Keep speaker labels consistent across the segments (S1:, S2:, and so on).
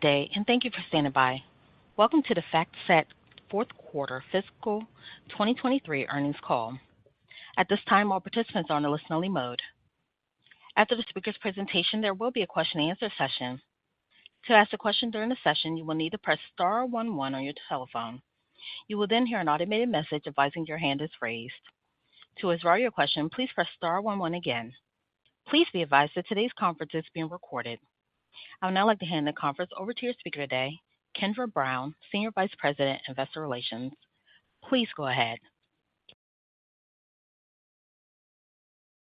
S1: day, and thank you for standing by. Welcome to the FactSet fourth quarter fiscal 2023 earnings call. At this time, all participants are on a listen-only mode. After the speaker's presentation, there will be a question-and-answer session. To ask a question during the session, you will need to press star one one on your telephone. You will then hear an automated message advising your hand is raised. To withdraw your question, please press star one one again. Please be advised that today's conference is being recorded. I would now like to hand the conference over to your speaker today, Kendra Brown, Senior Vice Phil, Investor Relations. Please go ahead.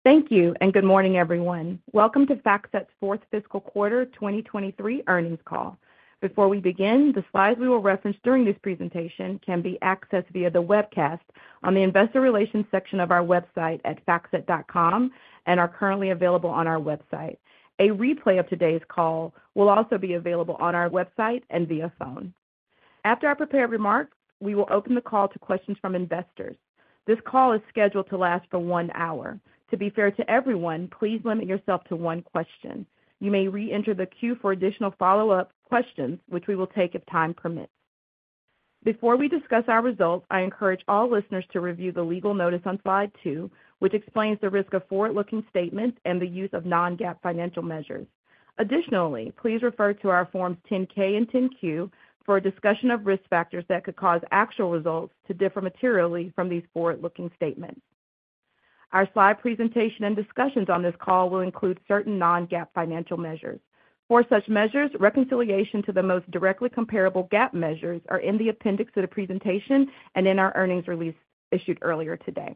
S2: Thank you, and good morning, everyone. Welcome to FactSet's fourth fiscal quarter 2023 earnings call. Before we begin, the slides we will reference during this presentation can be accessed via the webcast on the investor relations section of our website at FactSet.com and are currently available on our website. A replay of today's call will also be available on our website and via phone. After our prepared remarks, we will open the call to questions from investors. This call is scheduled to last for one hour. To be fair to everyone, please limit yourself to one question. You may reenter the queue for additional follow-up questions, which we will take if time permits. Before we discuss our results, I encourage all listeners to review the legal notice on slide 2, which explains the risk of forward-looking statements and the use of non-GAAP financial measures. Additionally, please refer to our Form 10-K and 10-Q for a discussion of risk factors that could cause actual results to differ materially from these forward-looking statements. Our slide presentation and discussions on this call will include certain non-GAAP financial measures. For such measures, reconciliation to the most directly comparable GAAP measures are in the appendix of the presentation and in our earnings release issued earlier today.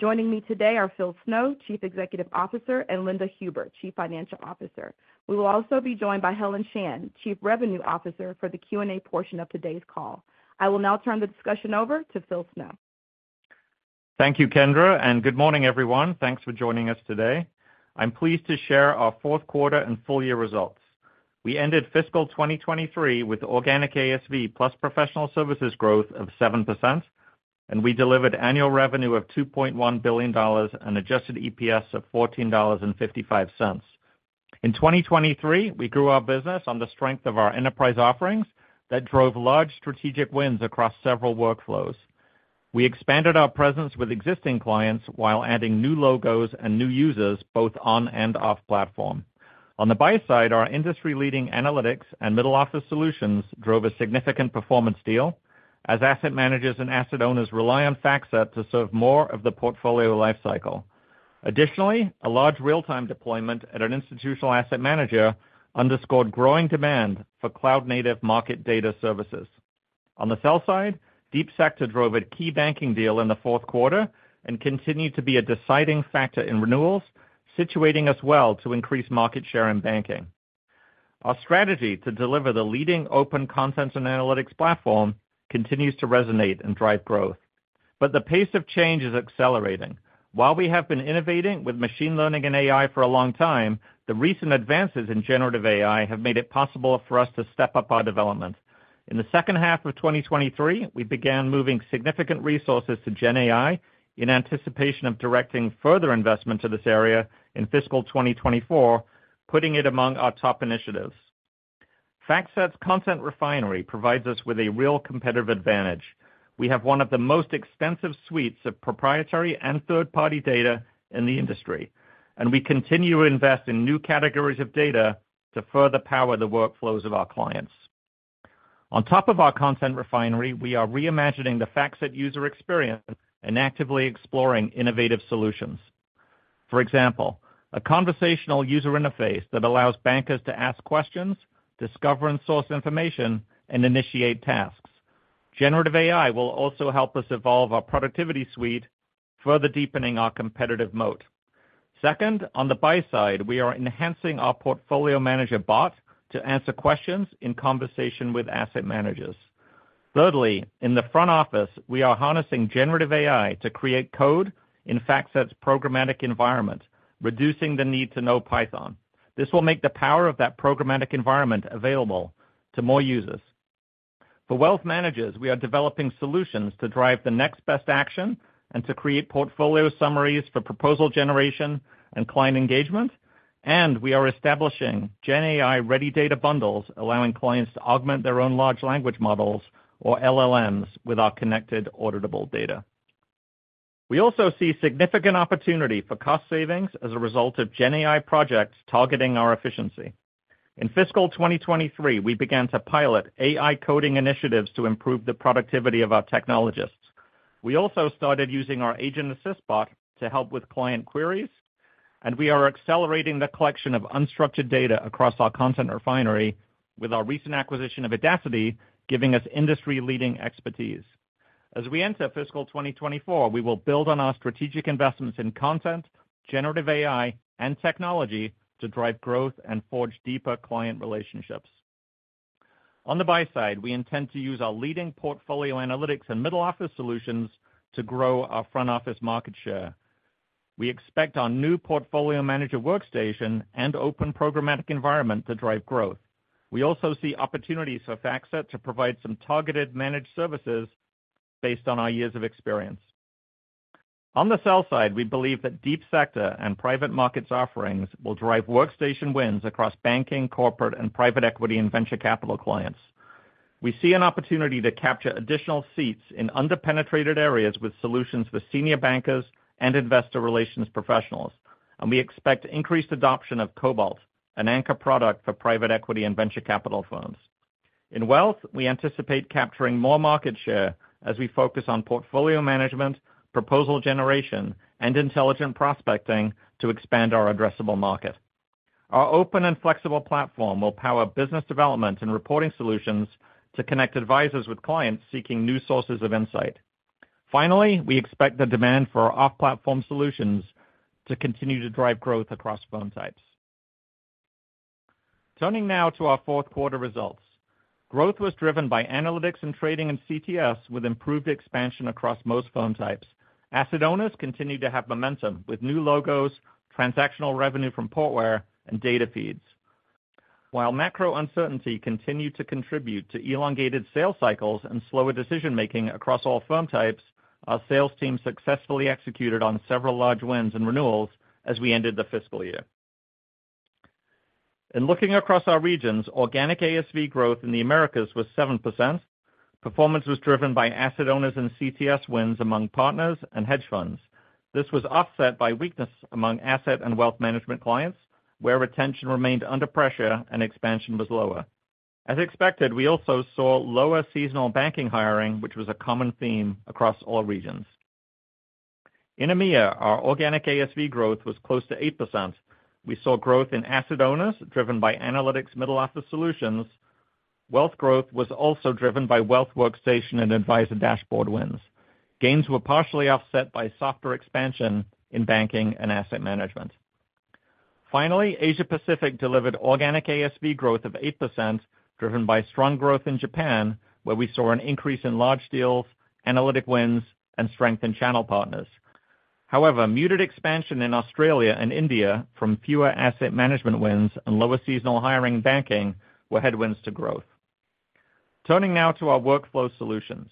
S2: Joining me today are Phil Snow, Chief Executive Officer, and Linda Huber, Chief Financial Officer. We will also be joined by Helen Shan, Chief Revenue Officer, for the Q&A portion of today's call. I will now turn the discussion over to Phil Snow.
S3: Thank you, Kendra, and good morning, everyone. Thanks for joining us today. I'm pleased to share our fourth quarter and full year results. We ended fiscal 2023 with organic ASV plus professional services growth of 7%, and we delivered annual revenue of $2.1 billion and adjusted EPS of $14.55. In 2023, we grew our business on the strength of our enterprise offerings that drove large strategic wins across several workflows. We expanded our presence with existing clients while adding new logos and new users, both on and off platform. On the buy side, our industry-leading analytics and middle-office solutions drove a significant performance deal as asset managers and asset owners rely on FactSet to serve more of the portfolio life cycle. Additionally, a large real-time deployment at an institutional asset manager underscored growing demand for cloud-native market data services. On the sell side, Deep Sector drove a key banking deal in the fourth quarter and continued to be a deciding factor in renewals, situating us well to increase market share in banking. Our strategy to deliver the leading open content and analytics platform continues to resonate and drive growth, but the pace of change is accelerating. While we have been innovating with machine learning and AI for a long time, the recent advances in generative AI have made it possible for us to step up our development. In the second half of 2023, we began moving significant resources to Gen AI in anticipation of directing further investment to this area in fiscal 2024, putting it among our top initiatives. FactSet's Content Refinery provides us with a real competitive advantage. We have one of the most extensive suites of proprietary and third-party data in the industry, and we continue to invest in new categories of data to further power the workflows of our clients. On top of our Content Refinery, we are reimagining the FactSet user experience and actively exploring innovative solutions. For example, a conversational user interface that allows bankers to ask questions, discover and source information, and initiate tasks. Generative AI will also help us evolve our productivity suite, further deepening our competitive moat. Second, on the buy side, we are enhancing our portfolio manager bot to answer questions in conversation with asset managers. Thirdly, in the front office, we are harnessing generative AI to create code in FactSet's programmatic environment, reducing the need to know Python. This will make the power of that programmatic environment available to more users. For wealth managers, we are developing solutions to drive the next best action and to create portfolio summaries for proposal generation and client engagement. We are establishing Gen AI-ready data bundles, allowing clients to augment their own large language models or LLMs with our connected auditable data. We also see significant opportunity for cost savings as a result of Gen AI projects targeting our efficiency. In fiscal 2023, we began to pilot AI coding initiatives to improve the productivity of our technologists. We also started using our agent assist bot to help with client queries, and we are accelerating the collection of unstructured data across our Content Refinery with our recent acquisition of Idaciti, giving us industry-leading expertise. As we enter fiscal 2024, we will build on our strategic investments in content, generative AI, and technology to drive growth and forge deeper client relationships. On the buy side, we intend to use our leading portfolio analytics and middle-office solutions to grow our front office market share. We expect our new portfolio manager workstation and open programmatic environment to drive growth. We also see opportunities for FactSet to provide some targeted managed services based on our years of experience… On the sell side, we believe that Deep Sector and private markets offerings will drive workstation wins across banking, corporate, and private equity and venture capital clients. We see an opportunity to capture additional seats in under-penetrated areas with solutions for senior bankers and investor relations professionals, and we expect increased adoption of Cobalt, an anchor product for private equity and venture capital firms. In wealth, we anticipate capturing more market share as we focus on portfolio management, proposal generation, and intelligent prospecting to expand our addressable market. Our open and flexible platform will power business development and reporting solutions to connect advisors with clients seeking new sources of insight. Finally, we expect the demand for our off-platform solutions to continue to drive growth across firm types. Turning now to our fourth quarter results. Growth was driven by Analytics and Trading and CTS, with improved expansion across most firm types. Asset owners continued to have momentum, with new logos, transactional revenue from Portware, and data feeds. While macro uncertainty continued to contribute to elongated sales cycles and slower decision-making across all firm types, our sales team successfully executed on several large wins and renewals as we ended the fiscal year. In looking across our regions, organic ASV growth in the Americas was 7%. Performance was driven by asset owners and CTS wins among partners and hedge funds. This was offset by weakness among asset and wealth management clients, where retention remained under pressure and expansion was lower. As expected, we also saw lower seasonal banking hiring, which was a common theme across all regions. In EMEA, our organic ASV growth was close to 8%. We saw growth in asset owners, driven by analytics middle-office solutions. Wealth growth was also driven by wealth workstation and Advisor Dashboard wins. Gains were partially offset by softer expansion in banking and asset management. Finally, Asia Pacific delivered organic ASV growth of 8%, driven by strong growth in Japan, where we saw an increase in large deals, analytic wins, and strength in channel partners. However, muted expansion in Australia and India from fewer asset management wins and lower seasonal hiring banking were headwinds to growth. Turning now to our workflow solutions.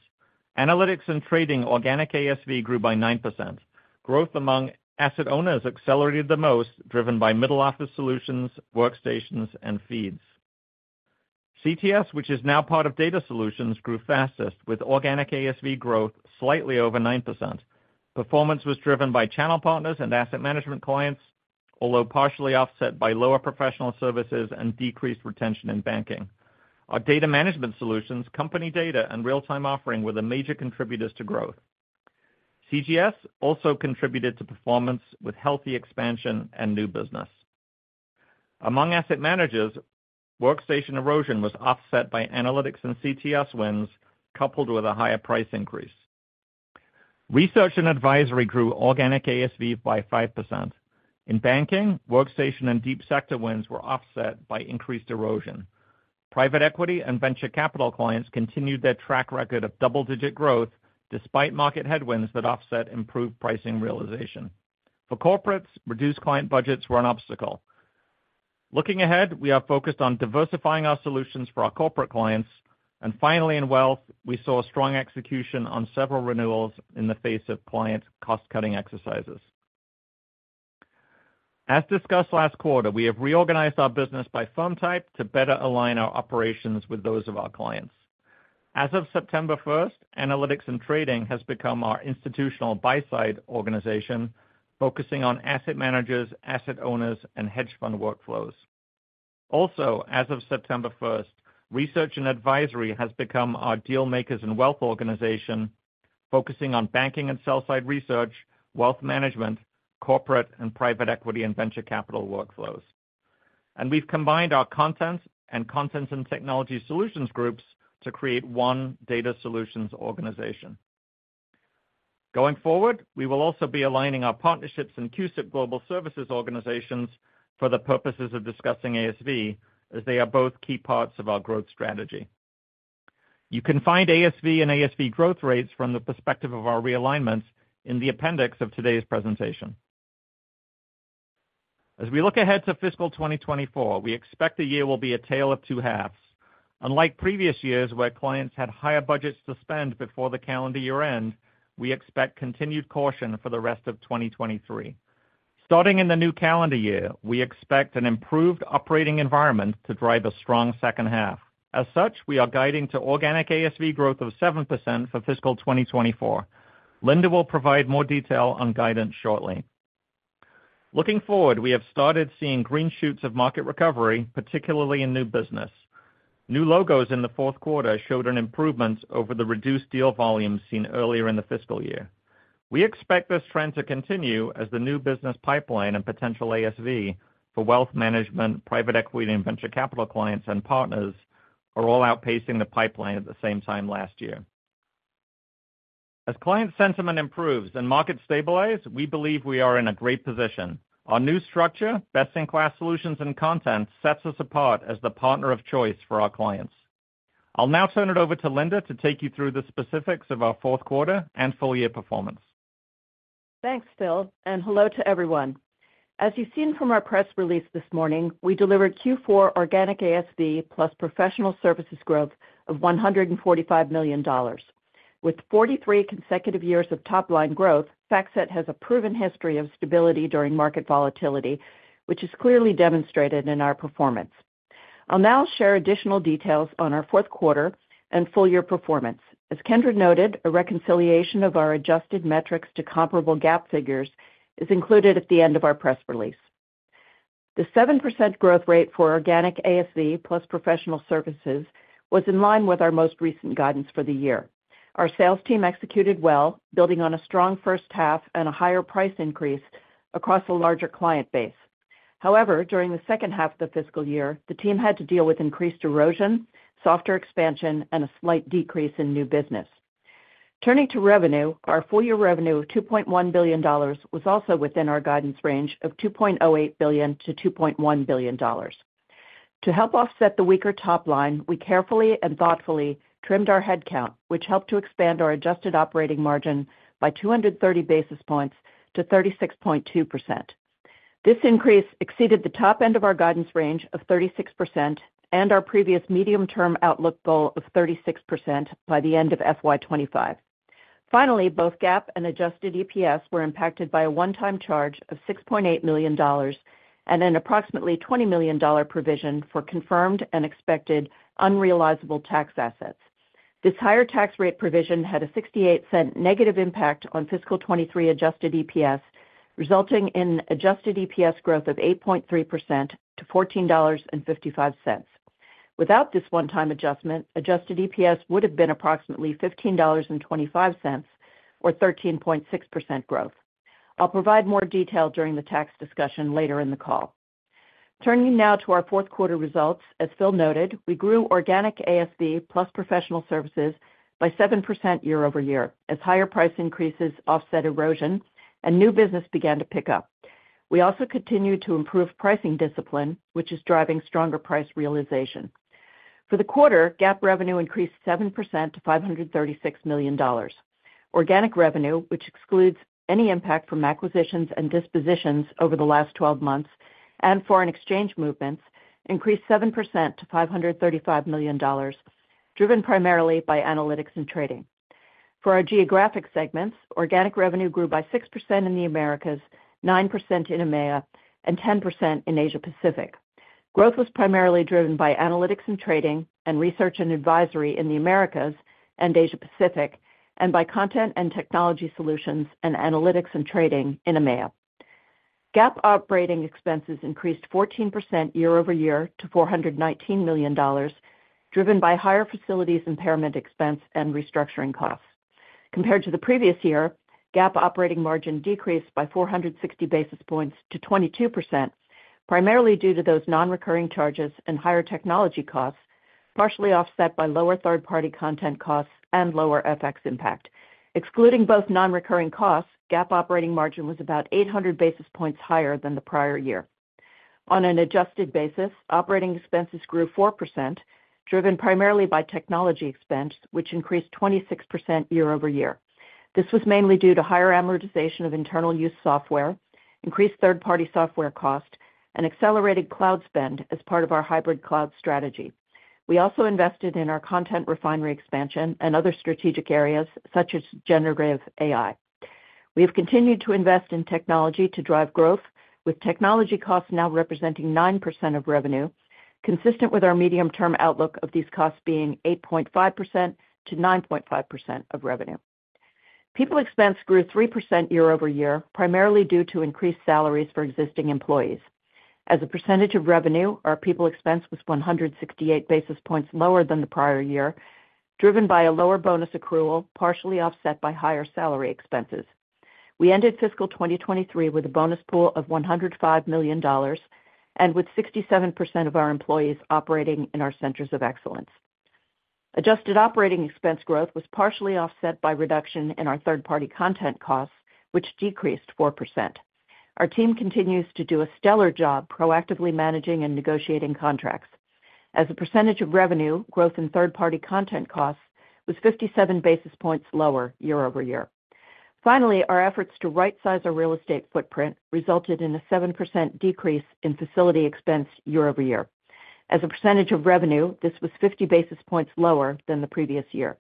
S3: Analytics and Trading organic ASV grew by 9%. Growth among asset owners accelerated the most, driven by middle-office solutions, workstations, and feeds. CTS, which is now part of Data Solutions, grew fastest, with organic ASV growth slightly over 9%. Performance was driven by channel partners and asset management clients, although partially offset by lower professional services and decreased retention in banking. Our Data Management Solutions, company data, and real-time offering were the major contributors to growth. CUSIP Global Services also contributed to performance with healthy expansion and new business. Among asset managers, workstation erosion was offset by analytics and CTS wins, coupled with a higher price increase. Research and Advisory grew organic ASV by 5%. In banking, workstation and Deep Sector wins were offset by increased erosion. Private equity and venture capital clients continued their track record of double-digit growth despite market headwinds that offset improved pricing realization. For corporates, reduced client budgets were an obstacle. Looking ahead, we are focused on diversifying our solutions for our corporate clients. Finally, in wealth, we saw strong execution on several renewals in the face of client cost-cutting exercises. As discussed last quarter, we have reorganized our business by firm type to better align our operations with those of our clients. As of September first, Analytics and Trading has become our Institutional Buy-Side organization, focusing on asset managers, asset owners, and hedge fund workflows. Also, as of September first, Research and Advisory has become our Dealmakers and Wealth organization, focusing on banking and sell side research, wealth management, corporate, and private equity and venture capital workflows. We've combined our Content and Technology Solutions groups to create one Data Solutions organization. Going forward, we will also be aligning our partnerships and CUSIP Global Services organizations for the purposes of discussing ASV, as they are both key parts of our growth strategy. You can find ASV and ASV growth rates from the perspective of our realignments in the appendix of today's presentation. As we look ahead to fiscal 2024, we expect the year will be a tale of two halves. Unlike previous years, where clients had higher budgets to spend before the calendar year end, we expect continued caution for the rest of 2023. Starting in the new calendar year, we expect an improved operating environment to drive a strong second half. As such, we are guiding to organic ASV growth of 7% for fiscal 2024. Linda will provide more detail on guidance shortly. Looking forward, we have started seeing green shoots of market recovery, particularly in new business. New logos in the fourth quarter showed an improvement over the reduced deal volumes seen earlier in the fiscal year. We expect this trend to continue as the new business pipeline and potential ASV for wealth management, private equity and venture capital clients and partners are all outpacing the pipeline at the same time last year. As client sentiment improves and markets stabilize, we believe we are in a great position. Our new structure, best-in-class solutions and content, sets us apart as the partner of choice for our clients. I'll now turn it over to Linda to take you through the specifics of our fourth quarter and full-year performance.
S4: Thanks, Phil, and hello to everyone. As you've seen from our press release this morning, we delivered Q4 organic ASV plus professional services growth of $145 million. With 43 consecutive years of top-line growth, FactSet has a proven history of stability during market volatility, which is clearly demonstrated in our performance. I'll now share additional details on our fourth quarter and full-year performance. As Kendra noted, a reconciliation of our adjusted metrics to comparable GAAP figures is included at the end of our press release. The 7% growth rate for organic ASV plus professional services was in line with our most recent guidance for the year. Our sales team executed well, building on a strong first half and a higher price increase across a larger client base. However, during the second half of the fiscal year, the team had to deal with increased erosion, softer expansion, and a slight decrease in new business. Turning to revenue, our full-year revenue of $2.1 billion was also within our guidance range of $2.08 billion-$2.1 billion. To help offset the weaker top line, we carefully and thoughtfully trimmed our headcount, which helped to expand our adjusted operating margin by 230 basis points to 36.2%. This increase exceeded the top end of our guidance range of 36% and our previous medium-term outlook goal of 36% by the end of FY 2025. Finally, both GAAP and adjusted EPS were impacted by a one-time charge of $6.8 million and an approximately $20 million provision for confirmed and expected unrealizable tax assets. This higher tax rate provision had a $0.68 negative impact on fiscal 2023 adjusted EPS, resulting in adjusted EPS growth of 8.3% to $14.55. Without this one-time adjustment, adjusted EPS would have been approximately $15.25, or 13.6% growth. I'll provide more detail during the tax discussion later in the call. Turning now to our fourth quarter results, as Phil noted, we grew organic ASV plus professional services by 7% year-over-year, as higher price increases offset erosion and new business began to pick up. We also continued to improve pricing discipline, which is driving stronger price realization. For the quarter, GAAP revenue increased 7% to $536 million. Organic revenue, which excludes any impact from acquisitions and dispositions over the last twelve months and foreign exchange movements, increased 7% to $535 million, driven primarily by Analytics and Trading. For our geographic segments, organic revenue grew by 6% in the Americas, 9% in EMEA, and 10% in Asia Pacific. Growth was primarily driven by Analytics and Trading, and Research and Advisory in the Americas and Asia Pacific, and by Content and Technology Solutions, and Analytics and Trading in EMEA. GAAP operating expenses increased 14% year over year to $419 million, driven by higher facilities impairment expense and restructuring costs. Compared to the previous year, GAAP operating margin decreased by 460 basis points to 22%, primarily due to those nonrecurring charges and higher technology costs, partially offset by lower third-party content costs and lower FX impact. Excluding both nonrecurring costs, GAAP operating margin was about 800 basis points higher than the prior year. On an adjusted basis, operating expenses grew 4%, driven primarily by technology expense, which increased 26% year-over-year. This was mainly due to higher amortization of internal use software, increased third-party software cost, and accelerated cloud spend as part of our hybrid cloud strategy. We also invested in our Content Refinery expansion and other strategic areas such as Generative AI. We have continued to invest in technology to drive growth, with technology costs now representing 9% of revenue, consistent with our medium-term outlook of these costs being 8.5%-9.5% of revenue. People expense grew 3% year over year, primarily due to increased salaries for existing employees. As a percentage of revenue, our people expense was 168 basis points lower than the prior year, driven by a lower bonus accrual, partially offset by higher salary expenses. We ended fiscal 2023 with a bonus pool of $105 million, and with 67% of our employees operating in our Centers of Excellence. Adjusted operating expense growth was partially offset by reduction in our third-party content costs, which decreased 4%. Our team continues to do a stellar job proactively managing and negotiating contracts. As a percentage of revenue, growth in third-party content costs was 57 basis points lower year-over-year. Finally, our efforts to rightsize our real estate footprint resulted in a 7% decrease in facility expense year-over-year. As a percentage of revenue, this was 50 basis points lower than the previous year.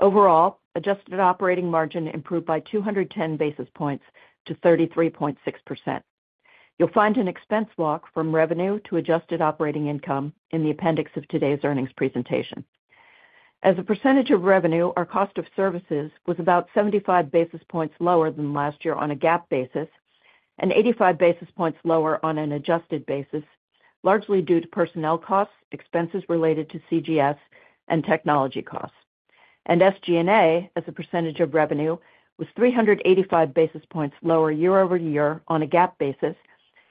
S4: Overall, adjusted operating margin improved by 210 basis points to 33.6%. You'll find an expense walk from revenue to adjusted operating income in the appendix of today's earnings presentation. As a percentage of revenue, our cost of services was about 75 basis points lower than last year on a GAAP basis, and 85 basis points lower on an adjusted basis, largely due to personnel costs, expenses related to CGS and technology costs. SG&A, as a percentage of revenue, was 385 basis points lower year-over-year on a GAAP basis,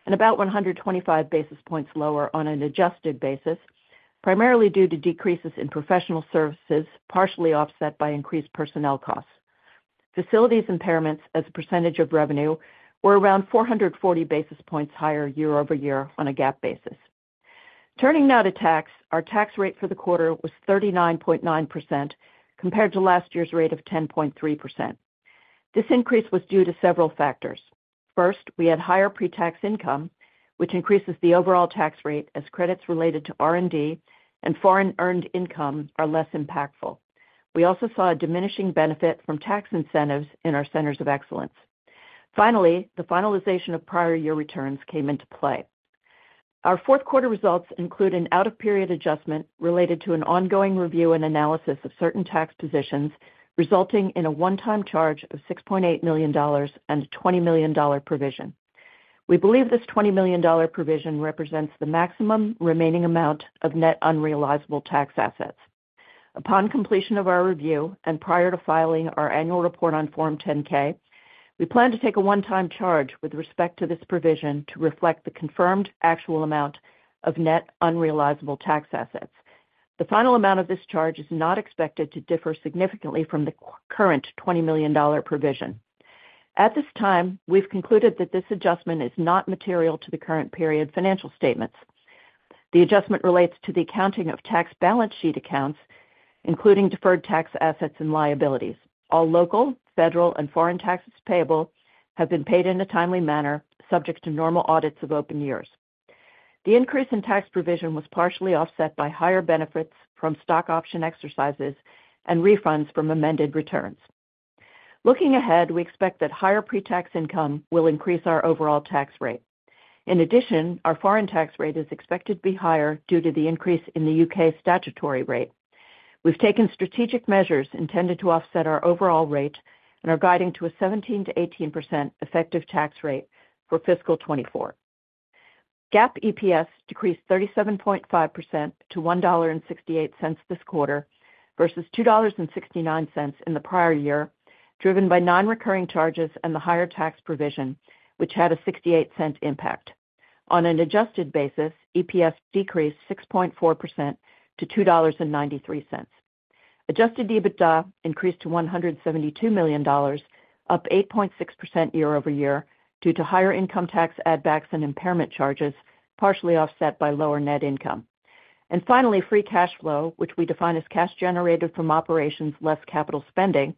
S4: and about 125 basis points lower on an adjusted basis, primarily due to decreases in professional services, partially offset by increased personnel costs. Facilities impairments as a percentage of revenue were around 440 basis points higher year-over-year on a GAAP basis. Turning now to tax. Our tax rate for the quarter was 39.9%, compared to last year's rate of 10.3%. This increase was due to several factors. First, we had higher pretax income, which increases the overall tax rate as credits related to R&D and foreign earned income are less impactful. We also saw a diminishing benefit from tax incentives in our Centers of Excellence. Finally, the finalization of prior year returns came into play. Our fourth quarter results include an out-of-period adjustment related to an ongoing review and analysis of certain tax positions, resulting in a one-time charge of $6.8 million and a $20 million provision. We believe this $20 million provision represents the maximum remaining amount of net unrealizable tax assets. Upon completion of our review, and prior to filing our annual report on Form 10-K, we plan to take a one-time charge with respect to this provision to reflect the confirmed actual amount of net unrealizable tax assets. The final amount of this charge is not expected to differ significantly from the current $20 million provision. At this time, we've concluded that this adjustment is not material to the current period financial statements. The adjustment relates to the accounting of tax balance sheet accounts, including deferred tax assets and liabilities. All local, federal, and foreign taxes payable have been paid in a timely manner, subject to normal audits of open years. The increase in tax provision was partially offset by higher benefits from stock option exercises and refunds from amended returns. Looking ahead, we expect that higher pretax income will increase our overall tax rate. In addition, our foreign tax rate is expected to be higher due to the increase in the U.K. statutory rate. We've taken strategic measures intended to offset our overall rate and are guiding to a 17%-18% effective tax rate for fiscal 2024. GAAP EPS decreased 37.5% to $1.68 this quarter, versus $2.69 in the prior year, driven by non-recurring charges and the higher tax provision, which had a $0.68 impact. On an adjusted basis, EPS decreased 6.4% to $2.93. Adjusted EBITDA increased to $172 million, up 8.6% year-over-year, due to higher income tax add backs and impairment charges, partially offset by lower net income. And finally, free cash flow, which we define as cash generated from operations less capital spending,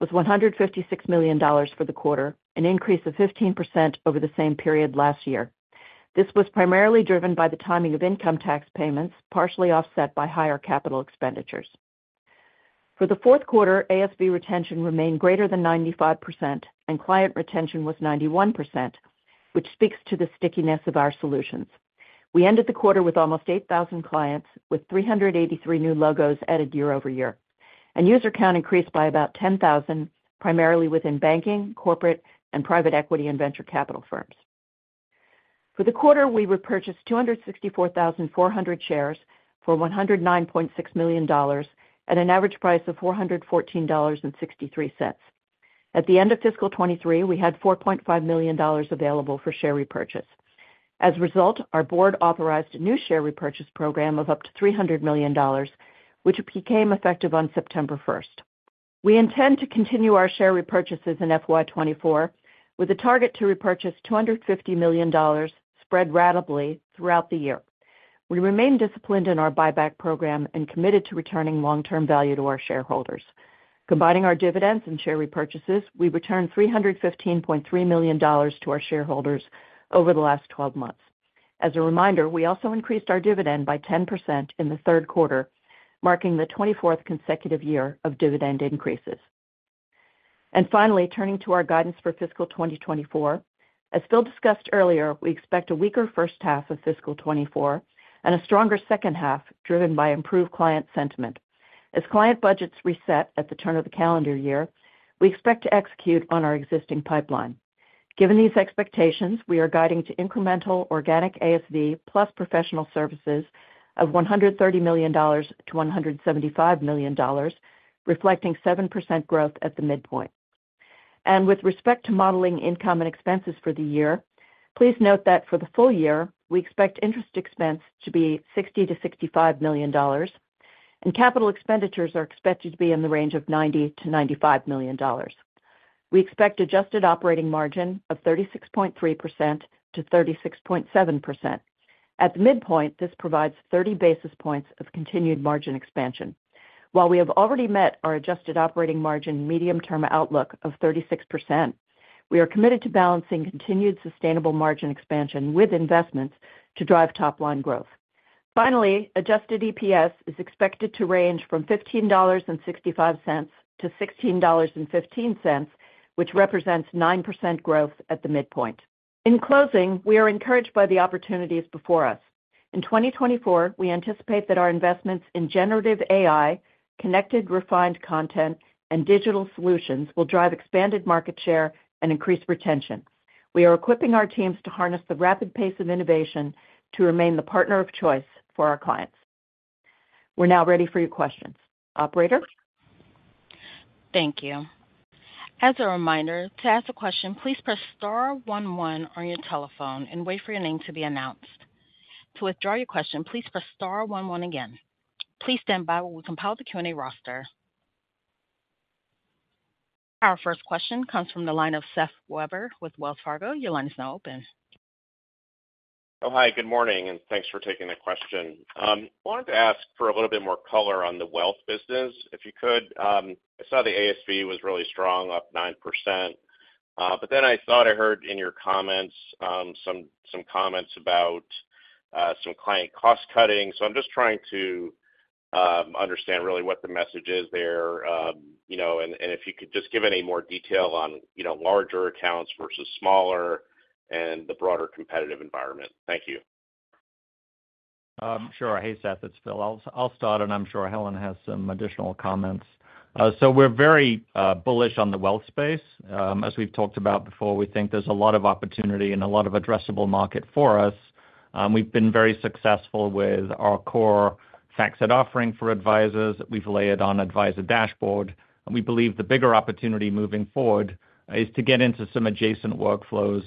S4: was $156 million for the quarter, an increase of 15% over the same period last year. This was primarily driven by the timing of income tax payments, partially offset by higher capital expenditures. For the fourth quarter, ASV retention remained greater than 95%, and client retention was 91%, which speaks to the stickiness of our solutions. We ended the quarter with almost 8,000 clients, with 383 new logos added year-over-year. User count increased by about 10,000, primarily within banking, corporate, and private equity and venture capital firms. For the quarter, we repurchased 264,400 shares for $109.6 million at an average price of $414.63. At the end of fiscal 2023, we had $4.5 million available for share repurchase. As a result, our board authorized a new share repurchase program of up to $300 million, which became effective on September 1. We intend to continue our share repurchases in FY 2024, with a target to repurchase $250 million spread ratably throughout the year. We remain disciplined in our buyback program and committed to returning long-term value to our shareholders. Combining our dividends and share repurchases, we returned $315.3 million to our shareholders over the last twelve months. As a reminder, we also increased our dividend by 10% in the third quarter, marking the 24th consecutive year of dividend increases. Finally, turning to our guidance for fiscal 2024. As Phil discussed earlier, we expect a weaker first half of fiscal 2024 and a stronger second half, driven by improved client sentiment. As client budgets reset at the turn of the calendar year, we expect to execute on our existing pipeline. Given these expectations, we are guiding to incremental organic ASV plus professional services of $130 million-$175 million, reflecting 7% growth at the midpoint. With respect to modeling income and expenses for the year, please note that for the full year, we expect interest expense to be $60 million-$65 million, and capital expenditures are expected to be in the range of $90 million-$95 million. We expect adjusted operating margin of 36.3%-36.7%. At the midpoint, this provides 30 basis points of continued margin expansion. While we have already met our adjusted operating margin medium-term outlook of 36%, we are committed to balancing continued sustainable margin expansion with investments to drive top line growth. Finally, Adjusted EPS is expected to range from $15.65 to $16.15, which represents 9% growth at the midpoint. In closing, we are encouraged by the opportunities before us. In 2024, we anticipate that our investments in Generative AI, connected, refined content, and digital solutions will drive expanded market share and increase retention. We are equipping our teams to harness the rapid pace of innovation to remain the partner of choice for our clients. We're now ready for your questions. Operator?
S1: Thank you. As a reminder, to ask a question, please press star one one on your telephone and wait for your name to be announced. To withdraw your question, please press star one one again. Please stand by while we compile the Q&A roster. Our first question comes from the line of Seth Weber with Wells Fargo. Your line is now open.
S5: Oh, hi, good morning, and thanks for taking the question. I wanted to ask for a little bit more color on the wealth business, if you could. I saw the ASV was really strong, up 9%. But then I thought I heard in your comments, some comments about some client cost-cutting. So I'm just trying to understand really what the message is there. You know, and if you could just give any more detail on, you know, larger accounts versus smaller and the broader competitive environment. Thank you.
S3: Sure. Hey, Seth, it's Phil. I'll start, and I'm sure Helen has some additional comments. So we're very bullish on the wealth space. As we've talked about before, we think there's a lot of opportunity and a lot of addressable market for us. We've been very successful with our core FactSet offering for advisors. We've laid on Advisor Dashboard, and we believe the bigger opportunity moving forward is to get into some adjacent workflows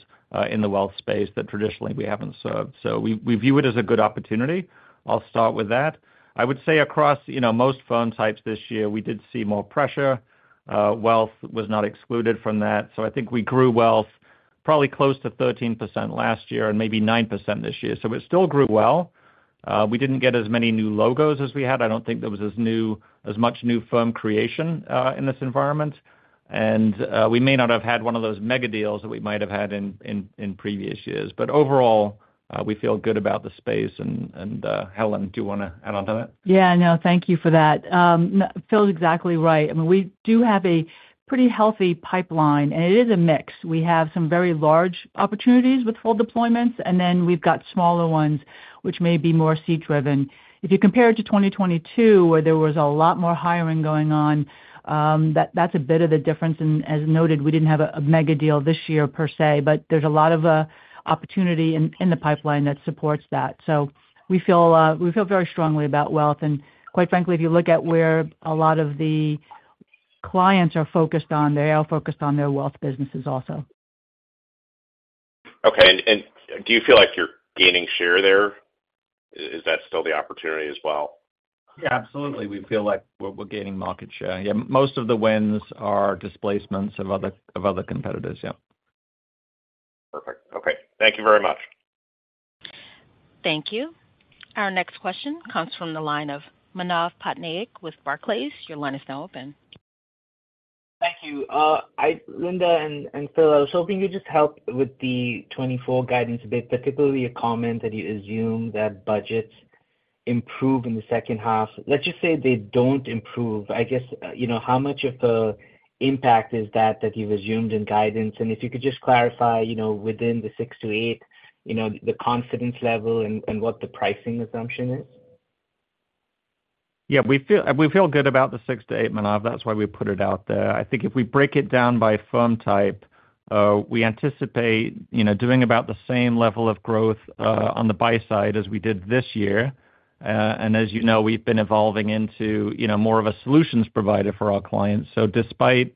S3: in the wealth space that traditionally we haven't served. So we view it as a good opportunity. I'll start with that. I would say across, you know, most firm types this year, we did see more pressure. Wealth was not excluded from that, so I think we grew wealth probably close to 13% last year and maybe 9% this year. So it still grew well. We didn't get as many new logos as we had. I don't think there was as much new firm creation in this environment. And, we may not have had one of those mega deals that we might have had in previous years. But overall, we feel good about the space. And, Helen, do you wanna add on to that?
S6: Yeah, no, thank you for that. Phil's exactly right. I mean, we do have a pretty healthy pipeline, and it is a mix. We have some very large opportunities with full deployments, and then we've got smaller ones, which may be more seat driven. If you compare it to 2022, where there was a lot more hiring going on, that's a bit of a difference. And as noted, we didn't have a mega deal this year per se, but there's a lot of opportunity in the pipeline that supports that. So we feel, we feel very strongly about wealth, and quite frankly, if you look at where a lot of the clients are focused on, they are focused on their wealth businesses also.
S5: Okay, and do you feel like you're gaining share there? Is that still the opportunity as well?
S3: Yeah, absolutely. We feel like we're, we're gaining market share. Yeah, most of the wins are displacements of other, of other competitors. Yeah.
S5: Perfect. Okay. Thank you very much.
S1: Thank you. Our next question comes from the line of Manav Patnaik with Barclays. Your line is now open.
S7: Thank you. Linda and Phil, I was hoping you'd just help with the 2024 guidance a bit, particularly a comment that you assume that budgets improve in the second half. Let's just say they don't improve. I guess, you know, how much of the impact is that that you've assumed in guidance? And if you could just clarify, you know, within the 6-8, you know, the confidence level and what the pricing assumption is.
S3: Yeah, we feel, we feel good about the 6-8, Manav. That's why we put it out there. I think if we break it down by firm type, we anticipate, you know, doing about the same level of growth on the buy side as we did this year. And as you know, we've been evolving into, you know, more of a solutions provider for our clients. So despite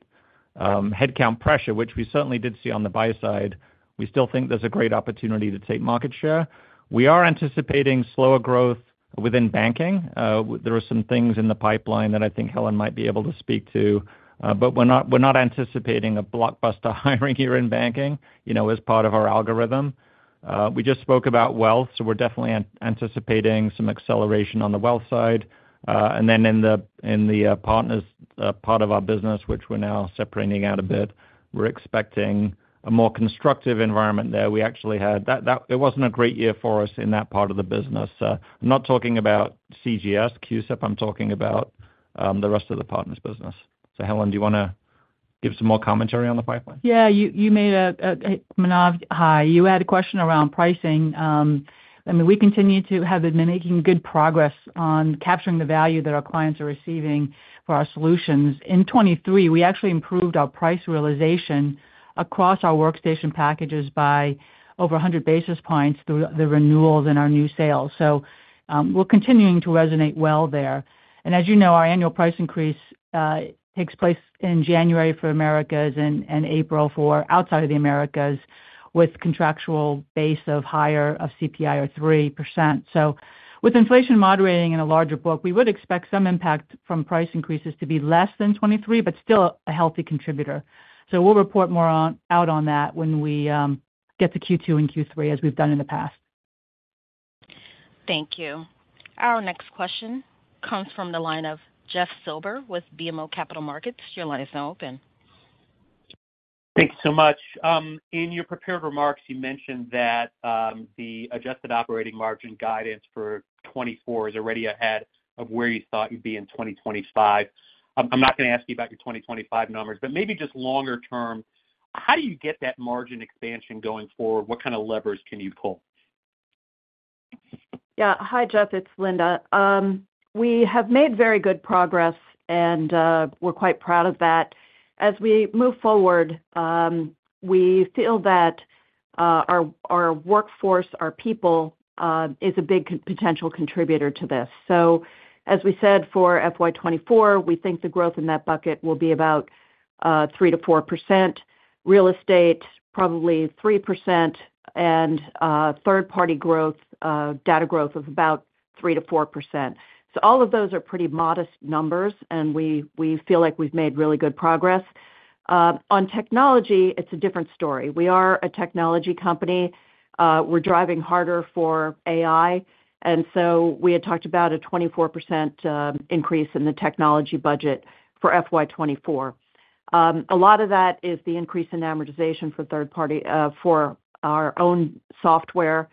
S3: headcount pressure, which we certainly did see on the buy side, we still think there's a great opportunity to take market share. We are anticipating slower growth within banking. There are some things in the pipeline that I think Helen might be able to speak to, but we're not, we're not anticipating a blockbuster hiring here in banking, you know, as part of our algorithm. We just spoke about wealth, so we're definitely anticipating some acceleration on the wealth side. And then in the partners part of our business, which we're now separating out a bit, we're expecting a more constructive environment there. We actually had that it wasn't a great year for us in that part of the business. I'm not talking about CGS, CUSIP, I'm talking about the rest of the partners business. So, Helen, do you wanna give some more commentary on the pipeline?
S6: Yeah, Manav, hi. You had a question around pricing. I mean, we continue to have been making good progress on capturing the value that our clients are receiving for our solutions. In 2023, we actually improved our price realization across our workstation packages by over 100 basis points through the renewals in our new sales. So, we're continuing to resonate well there. And as you know, our annual price increase takes place in January for Americas and April for outside of the Americas, with contractual base of higher of CPI or 3%. So with inflation moderating in a larger book, we would expect some impact from price increases to be less than 2023, but still a healthy contributor. So we'll report more out on that when we get to Q2 and Q3, as we've done in the past.
S1: Thank you. Our next question comes from the line of Jeff Silber with BMO Capital Markets. Your line is now open.
S8: Thanks so much. In your prepared remarks, you mentioned that the adjusted operating margin guidance for 2024 is already ahead of where you thought you'd be in 2025. I'm not gonna ask you about your 2025 numbers, but maybe just longer term, how do you get that margin expansion going forward? What kind of levers can you pull?
S4: Yeah. Hi, Jeff, it's Linda. We have made very good progress, and we're quite proud of that. As we move forward, we feel that our workforce, our people, is a big potential contributor to this. So as we said, for FY 2024, we think the growth in that bucket will be about 3%-4%. Real estate, probably 3%, and third-party growth, data growth of about 3%-4%. So all of those are pretty modest numbers, and we feel like we've made really good progress. On technology, it's a different story. We are a technology company. We're driving harder for AI. And so we had talked about a 24% increase in the technology budget for FY 2024. A lot of that is the increase in amortization for third party, for our own software,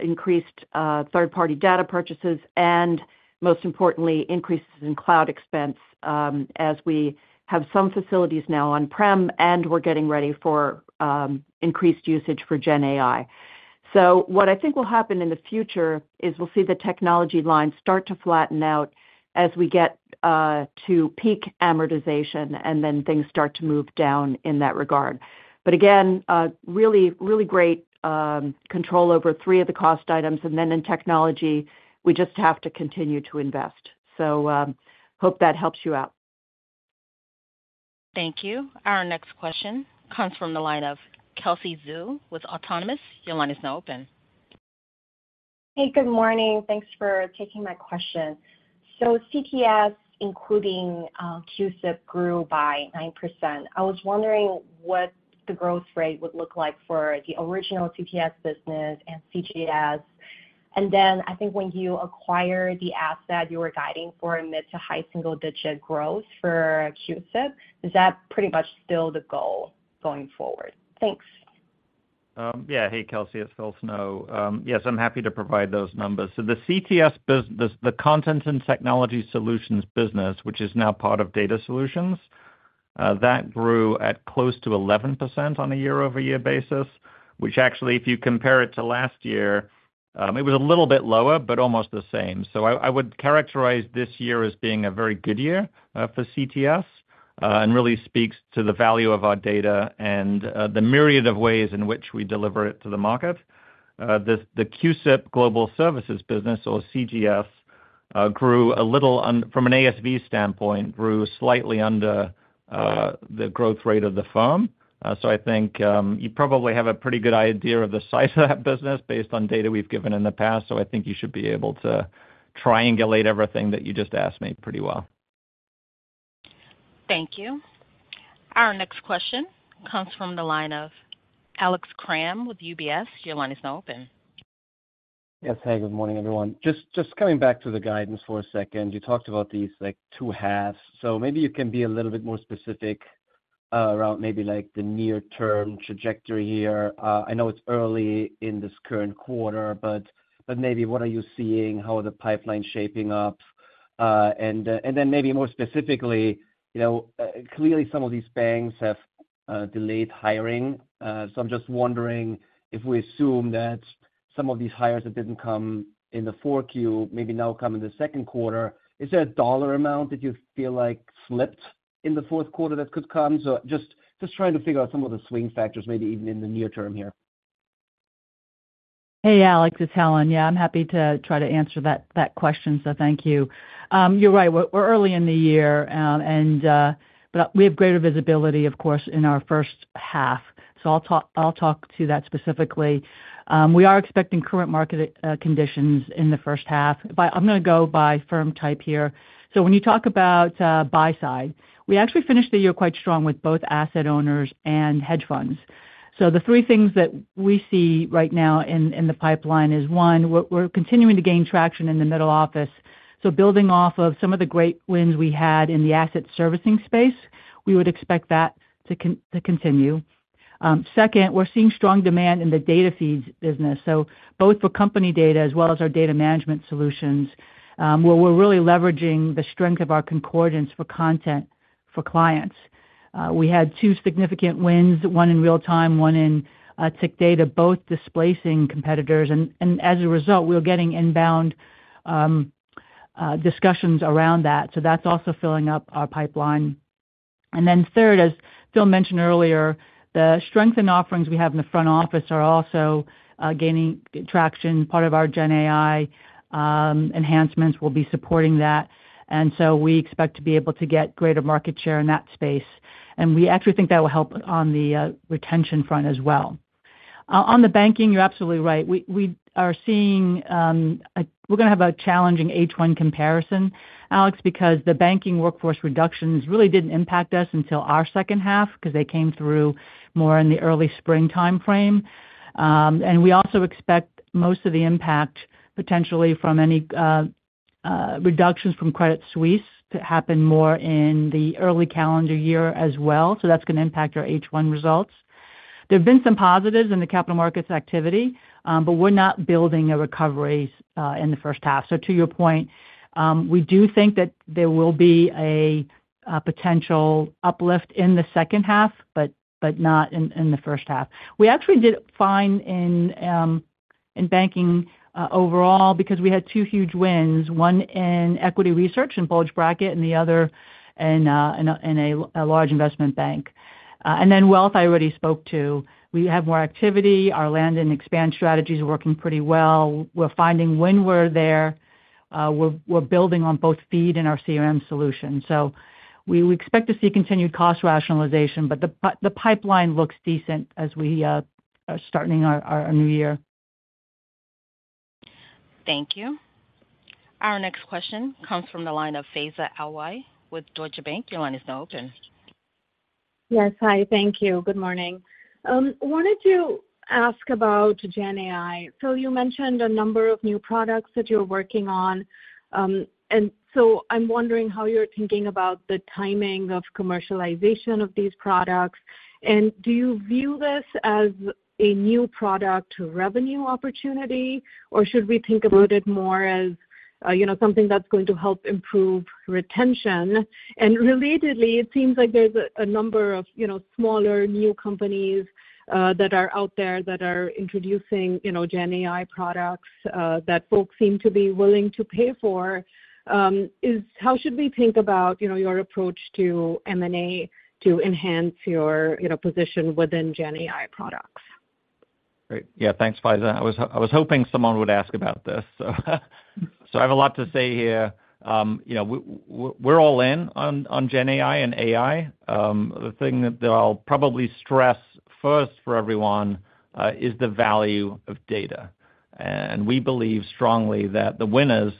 S4: increased third-party data purchases, and most importantly, increases in cloud expense, as we have some facilities now on-prem, and we're getting ready for increased usage for Gen AI. So what I think will happen in the future is we'll see the technology line start to flatten out as we get to peak amortization, and then things start to move down in that regard. But again, really, really great control over three of the cost items. And then in technology, we just have to continue to invest. So, hope that helps you out.
S1: Thank you. Our next question comes from the line of Kelsey Zhu with Autonomous. Your line is now open.
S9: Hey, good morning. Thanks for taking my question. So CTS, including CUSIP, grew by 9%. I was wondering what the growth rate would look like for the original CTS business and CGS. And then I think when you acquire the asset, you were guiding for a mid- to high-single-digit growth for CUSIP. Is that pretty much still the goal going forward? Thanks.
S3: Yeah. Hey, Kelsey, it's Phil Snow. Yes, I'm happy to provide those numbers. So the CTS business, the Content and Technology Solutions business, which is now part of Data Solutions, that grew at close to 11% on a year-over-year basis, which actually, if you compare it to last year, it was a little bit lower, but almost the same. So I would characterize this year as being a very good year for CTS, and really speaks to the value of our data and the myriad of ways in which we deliver it to the market. The CUSIP Global Services business, or CGS, from an ASV standpoint, grew slightly under the growth rate of the firm. So, I think you probably have a pretty good idea of the size of that business based on data we've given in the past, so I think you should be able to triangulate everything that you just asked me pretty well.
S1: Thank you. Our next question comes from the line of Alex Kram with UBS. Your line is now open.
S10: Yes. Hey, good morning, everyone. Just coming back to the guidance for a second. You talked about these, like, two halves. So maybe you can be a little bit more specific around maybe like the near-term trajectory here. I know it's early in this current quarter, but maybe what are you seeing? How are the pipelines shaping up? And then maybe more specifically, you know, clearly some of these banks have delayed hiring. So I'm just wondering if we assume that some of these hires that didn't come in the 4Q, maybe now come in the second quarter. Is there a dollar amount that you feel like slipped in the fourth quarter that could come? So just trying to figure out some of the swing factors, maybe even in the near term here.
S6: Hey, Alex, it's Helen. Yeah, I'm happy to try to answer that question, so thank you. You're right. We're early in the year, but we have greater visibility, of course, in our first half, so I'll talk to that specifically. We are expecting current market conditions in the first half, but I'm going to go by firm type here. So when you talk about buy side, we actually finished the year quite strong with both asset owners and hedge funds. So the three things that we see right now in the pipeline is, one, we're continuing to gain traction in the middle office. So building off of some of the great wins we had in the asset servicing space, we would expect that to continue. Second, we're seeing strong demand in the data feeds business. So both for company data as well as our Data Management Solutions, where we're really leveraging the strength of our Concordance for content for clients. We had two significant wins, one in real time, one in tick data, both displacing competitors, and as a result, we were getting inbound discussions around that. So that's also filling up our pipeline. And then third, as Phil mentioned earlier, the strength and offerings we have in the front office are also gaining traction. Part of our Gen AI enhancements will be supporting that. And so we expect to be able to get greater market share in that space, and we actually think that will help on the retention front as well. On the banking, you're absolutely right. We are seeing we're going to have a challenging H1 comparison, Alex, because the banking workforce reductions really didn't impact us until our second half because they came through more in the early spring timeframe. And we also expect most of the impact potentially from any reductions from Credit Suisse to happen more in the early calendar year as well. So that's going to impact our H1 results. There have been some positives in the capital markets activity, but we're not building a recovery in the first half. So to your point, we do think that there will be a potential uplift in the second half, but not in the first half. We actually did fine in banking overall, because we had two huge wins, one in Equity Research and bulge bracket and the other in a large investment bank. And then wealth I already spoke to. We have more activity. Our land and expand strategies are working pretty well. We're finding when we're there, we're building on both feed and our CRM solution. So we expect to see continued cost rationalization, but the pipeline looks decent as we are starting our new year. ...
S1: Thank you. Our next question comes from the line of Faiza Alwy with Deutsche Bank. Your line is now open.
S11: Yes. Hi, thank you. Good morning. Wanted to ask about GenAI. So you mentioned a number of new products that you're working on. And so I'm wondering how you're thinking about the timing of commercialization of these products, and do you view this as a new product revenue opportunity, or should we think about it more as, you know, something that's going to help improve retention? And relatedly, it seems like there's a number of, you know, smaller, new companies that are out there that are introducing, you know, GenAI products that folks seem to be willing to pay for. Is how should we think about, you know, your approach to M&A to enhance your, you know, position within GenAI products?
S3: Great. Yeah, thanks, Faiza. I was hoping someone would ask about this, so I have a lot to say here. You know, we're all in on GenAI and AI. The thing that I'll probably stress first for everyone is the value of data. And we believe strongly that the winners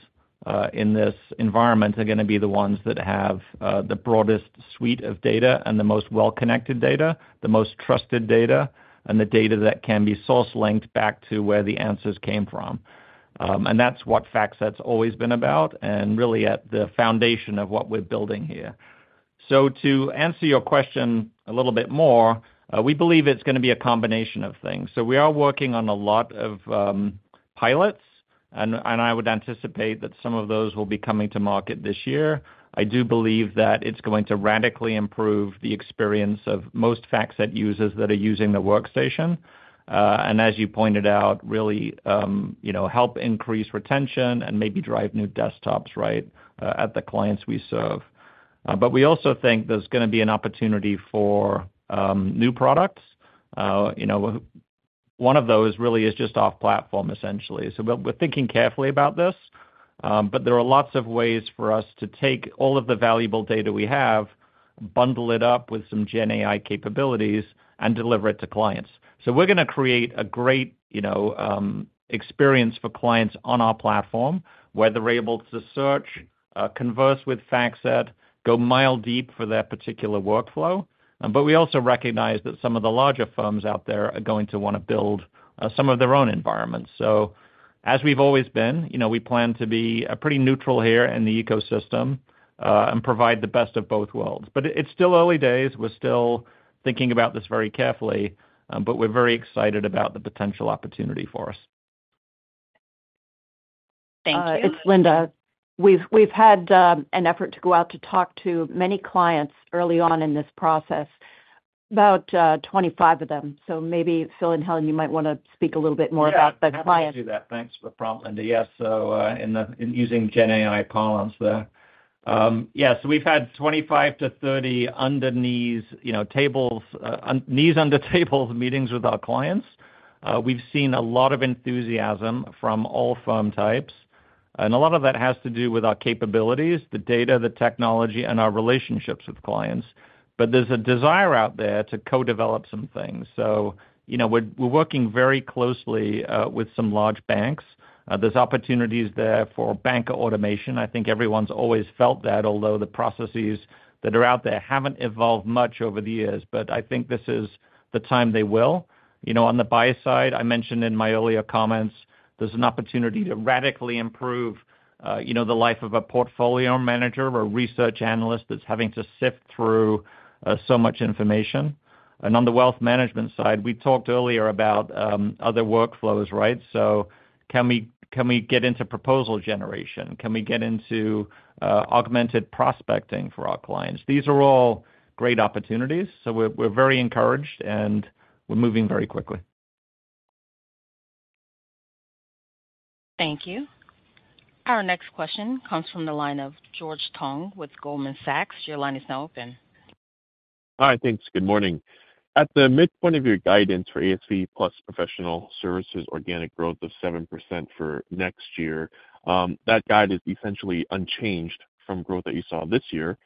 S3: in this environment are gonna be the ones that have the broadest suite of data and the most well-connected data, the most trusted data, and the data that can be source linked back to where the answers came from. And that's what FactSet's always been about, and really at the foundation of what we're building here. So to answer your question a little bit more, we believe it's gonna be a combination of things. So we are working on a lot of pilots, and I would anticipate that some of those will be coming to market this year. I do believe that it's going to radically improve the experience of most FactSet users that are using the workstation. And as you pointed out, really, you know, help increase retention and maybe drive new desktops, right, at the clients we serve. But we also think there's gonna be an opportunity for new products. You know, one of those really is just off platform essentially. So we're thinking carefully about this, but there are lots of ways for us to take all of the valuable data we have, bundle it up with some GenAI capabilities, and deliver it to clients. So we're gonna create a great, you know, experience for clients on our platform, where they're able to search, converse with FactSet, go mile deep for their particular workflow. But we also recognize that some of the larger firms out there are going to want to build, some of their own environments. So as we've always been, you know, we plan to be, pretty neutral here in the ecosystem, and provide the best of both worlds. But it's still early days. We're still thinking about this very carefully, but we're very excited about the potential opportunity for us.
S11: Thank you.
S4: It's Linda. We've had an effort to go out to talk to many clients early on in this process, about 25 of them. So maybe, Phil and Helen, you might want to speak a little bit more about the clients.
S3: Yeah, happy to do that. Thanks for the prompt, Linda. Yes, in using GenAI parlance there. Yes, we've had 25-30 knees under tables meetings with our clients. We've seen a lot of enthusiasm from all firm types, and a lot of that has to do with our capabilities, the data, the technology, and our relationships with clients. There's a desire out there to co-develop some things. You know, we're working very closely with some large banks. There's opportunities there for bank automation. I think everyone's always felt that, although the processes that are out there haven't evolved much over the years, I think this is the time they will. You know, on the buy side, I mentioned in my earlier comments, there's an opportunity to radically improve, you know, the life of a portfolio manager or research analyst that's having to sift through so much information. And on the wealth management side, we talked earlier about other workflows, right? So can we, can we get into proposal generation? Can we get into augmented prospecting for our clients? These are all great opportunities, so we're, we're very encouraged, and we're moving very quickly.
S1: Thank you. Our next question comes from the line of George Tong with Goldman Sachs. Your line is now open.
S12: Hi. Thanks. Good morning. At the midpoint of your guidance for ASV plus professional services, organic growth of 7% for next year, that guide is essentially unchanged from growth that you saw this year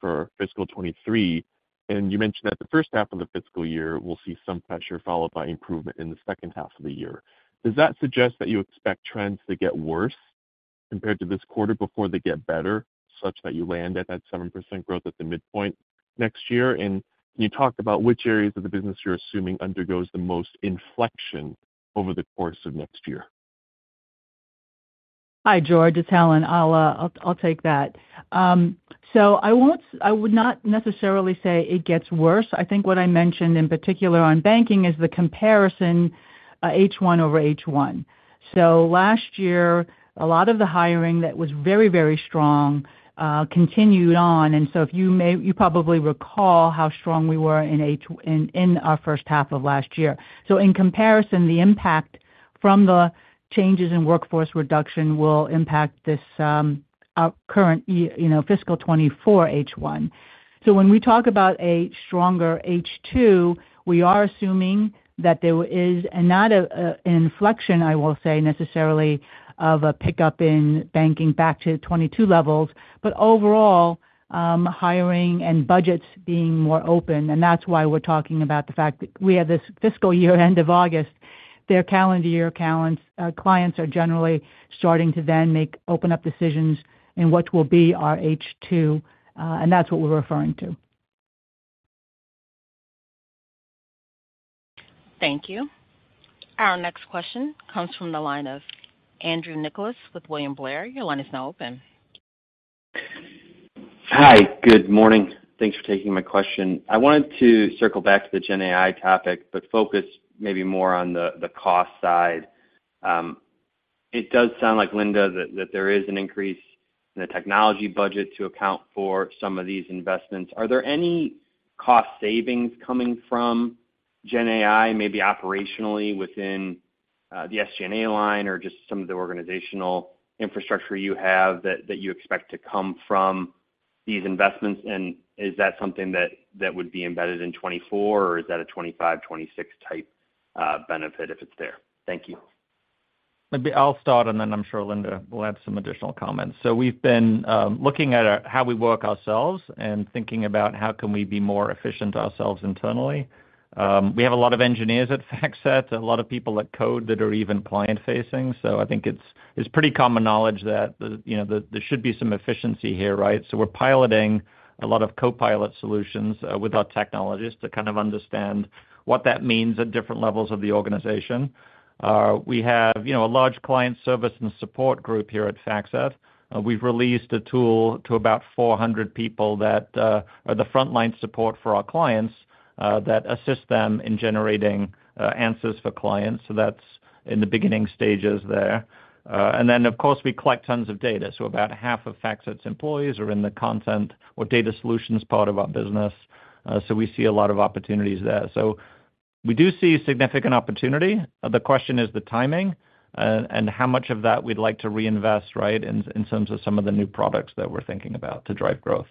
S12: for fiscal 2023. You mentioned that the first half of the fiscal year will see some pressure, followed by improvement in the second half of the year. Does that suggest that you expect trends to get worse compared to this quarter before they get better, such that you land at that 7% growth at the midpoint next year? Can you talk about which areas of the business you're assuming undergoes the most inflection over the course of next year?
S6: Hi, George, it's Helen. I'll take that. So I would not necessarily say it gets worse. I think what I mentioned in particular on banking is the comparison, H1 over H1. So last year, a lot of the hiring that was very, very strong continued on. And so you probably recall how strong we were in our first half of last year. So in comparison, the impact from the changes in workforce reduction will impact this, our current, you know, fiscal 2024 H1. So when we talk about a stronger H2, we are assuming that there is not an inflection, I will say necessarily, of a pickup in banking back to 2022 levels, but overall, hiring and budgets being more open. And that's why we're talking about the fact that we have this fiscal year end of August, their calendar year ends, clients are generally starting to then make open up decisions in what will be our H2, and that's what we're referring to.
S1: Thank you. Our next question comes from the line of Andrew Nicholas with William Blair. Your line is now open.
S13: Hi, good morning. Thanks for taking my question. I wanted to circle back to the GenAI topic, but focus maybe more on the, the cost side. It does sound like, Linda, that, that there is an increase in the technology budget to account for some of these investments. Are there any cost savings coming from GenAI, maybe operationally within the SG&A line or just some of the organizational infrastructure you have, that, that you expect to come from these investments? And is that something that, that would be embedded in 2024, or is that a 2025, 2026 type benefit, if it's there? Thank you.
S3: Maybe I'll start, and then I'm sure Linda will add some additional comments. So we've been looking at how we work ourselves and thinking about how can we be more efficient ourselves internally. We have a lot of engineers at FactSet, a lot of people that code that are even client-facing. So I think it's pretty common knowledge that, you know, there should be some efficiency here, right? So we're piloting a lot of co-pilot solutions with our technologists to kind of understand what that means at different levels of the organization. We have, you know, a large client service and support group here at FactSet. We've released a tool to about 400 people that are the frontline support for our clients that assist them in generating answers for clients. So that's in the beginning stages there. And then, of course, we collect tons of data. So about half of FactSet's employees are in the content or Data Solutions part of our business. So we see a lot of opportunities there. So we do see significant opportunity. The question is the timing, and how much of that we'd like to reinvest, right, in, in terms of some of the new products that we're thinking about to drive growth.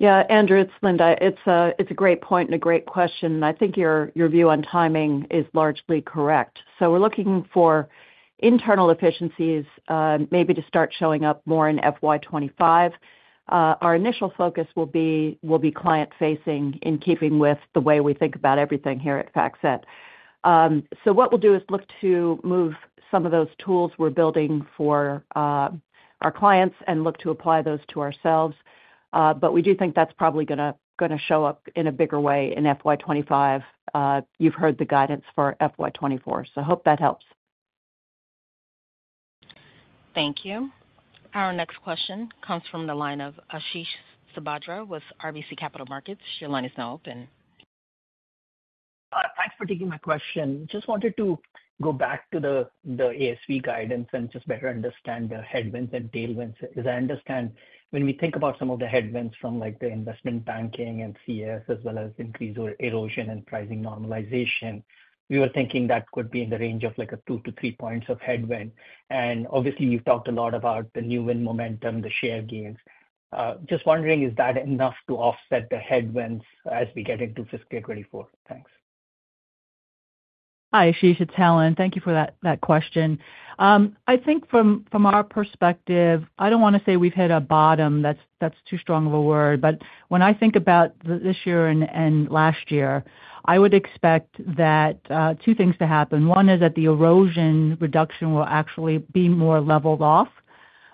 S4: Yeah, Andrew, it's Linda. It's a great point and a great question, and I think your view on timing is largely correct. So we're looking for internal efficiencies, maybe to start showing up more in FY 2025. Our initial focus will be client-facing, in keeping with the way we think about everything here at FactSet. So what we'll do is look to move some of those tools we're building for our clients and look to apply those to ourselves. But we do think that's probably gonna show up in a bigger way in FY 2025. You've heard the guidance for FY 2024, so I hope that helps.
S1: Thank you. Our next question comes from the line of Ashish Sabadra with RBC Capital Markets. Your line is now open.
S14: Thanks for taking my question. Just wanted to go back to the ASV guidance and just better understand the headwinds and tailwinds. As I understand, when we think about some of the headwinds from, like, the investment banking and CS, as well as increased erosion and pricing normalization, we were thinking that could be in the range of, like, a 2-3 points of headwind. Obviously, you've talked a lot about the new win momentum, the share gains. Just wondering, is that enough to offset the headwinds as we get into fiscal 2024? Thanks.
S6: Hi, Ashish, it's Helen. Thank you for that, that question. I think from, from our perspective, I don't want to say we've hit a bottom. That's, that's too strong of a word. But when I think about this year and, and last year, I would expect that, two things to happen. One is that the erosion reduction will actually be more leveled off,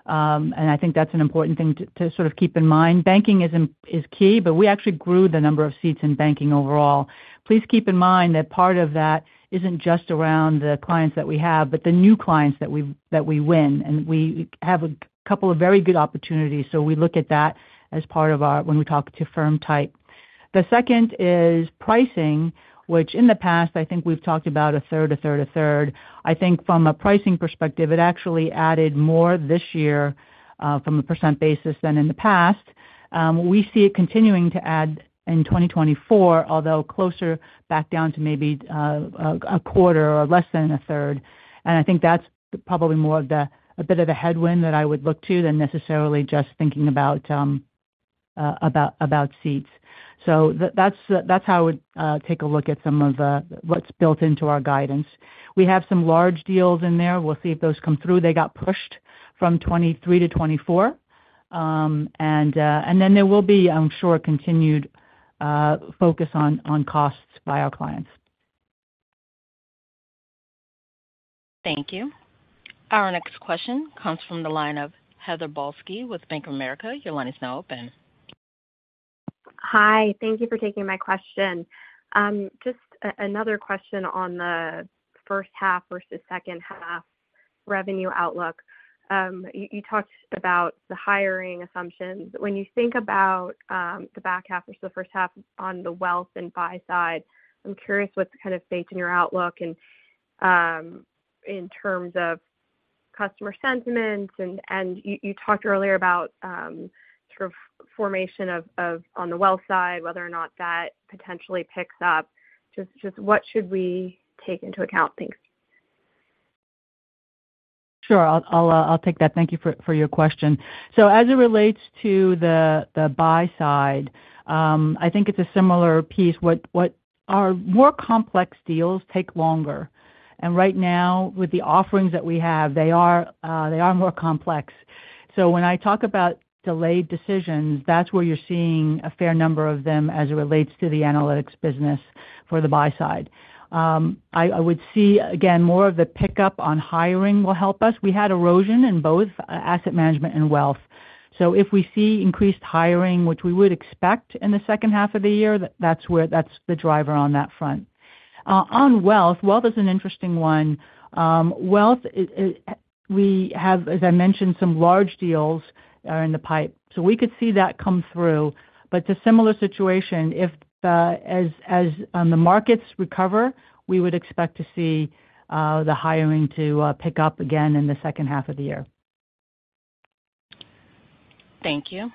S6: and I think that's an important thing to, to sort of keep in mind. Banking is key, but we actually grew the number of seats in banking overall. Please keep in mind that part of that isn't just around the clients that we have, but the new clients that we, that we win, and we have a couple of very good opportunities. So we look at that as part of our, when we talk to firm type. The second is pricing, which in the past, I think we've talked about a third, a third, a third. I think from a pricing perspective, it actually added more this year from a percent basis than in the past. We see it continuing to add in 2024, although closer back down to maybe a quarter or less than a third. And I think that's probably more of a bit of a headwind that I would look to than necessarily just thinking about about seats. So that's how I would take a look at some of what's built into our guidance. We have some large deals in there. We'll see if those come through. They got pushed from 2023 to 2024. And then there will be, I'm sure, a continued focus on costs by our clients.
S1: Thank you. Our next question comes from the line of Heather Balsky with Bank of America. Your line is now open.
S15: Hi, thank you for taking my question. Just another question on the first half versus second half revenue outlook. You talked about the hiring assumptions. When you think about the back half versus the first half on the wealth and buy side, I'm curious what's the kind of stage in your outlook and in terms of customer sentiments and you talked earlier about sort of formation of on the wealth side, whether or not that potentially picks up. Just what should we take into account? Thanks.
S6: Sure. I'll take that. Thank you for your question. So as it relates to the buy side, I think it's a similar piece. Our more complex deals take longer, and right now, with the offerings that we have, they are more complex. So when I talk about delayed decisions, that's where you're seeing a fair number of them as it relates to the analytics business for the buy side. I would see, again, more of the pickup on hiring will help us. We had erosion in both asset management and wealth. So if we see increased hiring, which we would expect in the second half of the year, that's where, that's the driver on that front. On wealth, wealth is an interesting one. Wealth is, is, we have, as I mentioned, some large deals are in the pipe, so we could see that come through. The similar situation, if the, as, as, the markets recover, we would expect to see the hiring to pick up again in the second half of the year.
S1: Thank you.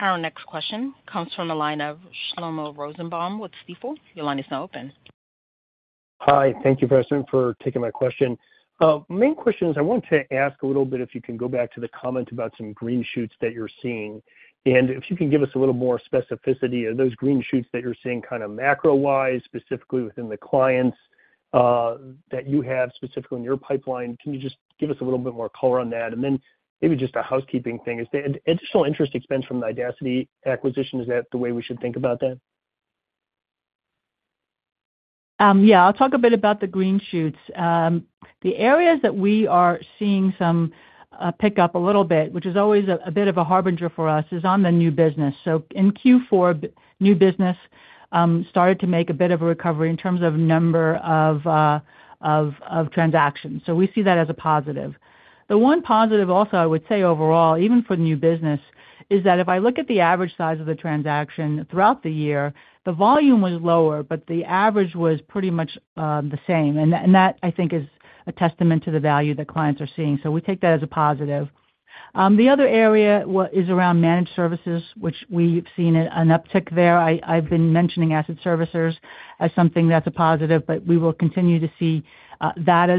S1: Our next question comes from the line of Shlomo Rosenbaum with Stifel. Your line is now open.
S16: Hi, thank you, President, for taking my question. Main questions, I want to ask a little bit, if you can go back to the comment about some green shoots that you're seeing, and if you can give us a little more specificity of those green shoots that you're seeing kind of macro-wise, specifically within the clients that you have specifically in your pipeline. Can you just give us a little bit more color on that? And then maybe just a housekeeping thing, is the additional interest expense from the Idaciti acquisition, is that the way we should think about that?
S6: Yeah, I'll talk a bit about the green shoots. The areas that we are seeing some pick up a little bit, which is always a bit of a harbinger for us, is on the new business. So in Q4, new business started to make a bit of a recovery in terms of number of transactions. So we see that as a positive. The one positive also, I would say overall, even for the new business, is that if I look at the average size of the transaction throughout the year, the volume was lower, but the average was pretty much the same. And that, I think, is a testament to the value that clients are seeing. So we take that as a positive. The other area is around managed services, which we've seen an uptick there. I've been mentioning asset servicers as something that's a positive, but we will continue to see that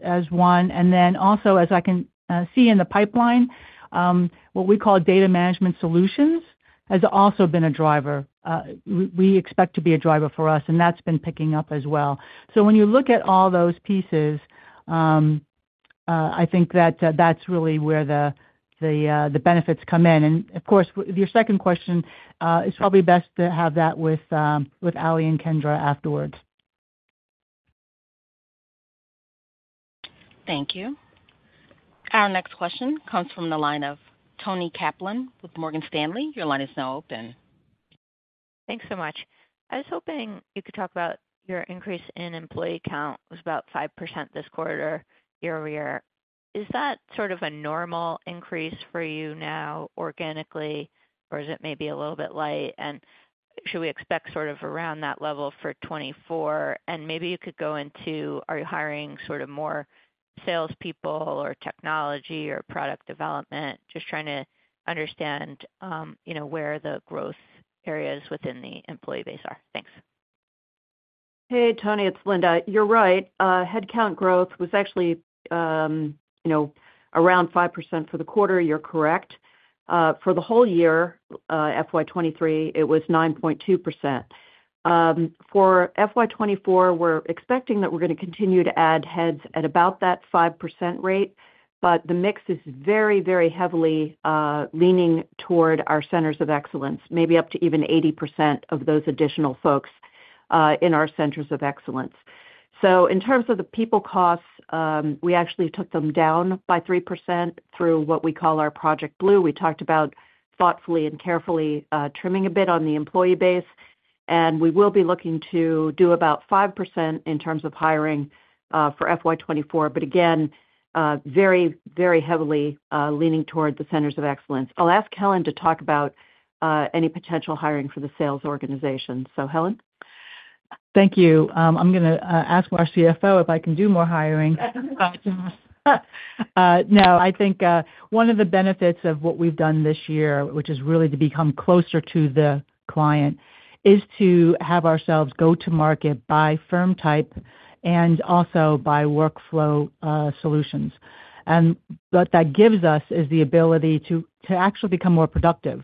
S6: as one. And then also, as I can see in the pipeline, what we call Data Management Solutions has also been a driver. We expect to be a driver for us, and that's been picking up as well. So when you look at all those pieces, I think that that's really where the benefits come in. And of course, your second question, it's probably best to have that with Ali and Kendra afterwards.
S1: Thank you. Our next question comes from the line of Toni Kaplan with Morgan Stanley. Your line is now open.
S17: Thanks so much. I was hoping you could talk about your increase in employee count was about 5% this quarter year-over-year. Is that sort of a normal increase for you now organically, or is it maybe a little bit light? And should we expect sort of around that level for 2024? And maybe you could go into, are you hiring sort of more salespeople or technology or product development? Just trying to understand, you know, where the growth areas within the employee base are. Thanks.
S4: Hey, Toni, it's Linda. You're right. Headcount growth was actually, you know, around 5% for the quarter. You're correct. For the whole year, FY 2023, it was 9.2%. For FY 2024, we're expecting that we're going to continue to add heads at about that 5% rate, but the mix is very, very heavily leaning toward our Centers of Excellence, maybe up to even 80% of those additional folks in our Centers of Excellence. So in terms of the people costs, we actually took them down by 3% through what we call our Project Blue. We talked about thoughtfully and carefully trimming a bit on the employee base, and we will be looking to do about 5% in terms of hiring for FY 2024, but again very, very heavily leaning toward the Centers of Excellence. I'll ask Helen to talk about any potential hiring for the sales organization. So, Helen?
S6: Thank you. I'm gonna ask our CFO if I can do more hiring. No, I think one of the benefits of what we've done this year, which is really to become closer to the client, is to have ourselves go to market by firm type and also by workflow solutions. And what that gives us is the ability to actually become more productive.